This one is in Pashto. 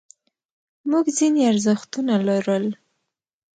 موږ ځینې ارزښتونه لرل.